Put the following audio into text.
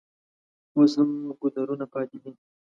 اوس هم ګودرونه پاتې دي.